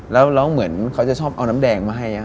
แล้วร้องเหมือนเขาจะชอบเอาน้ำแดงมาให้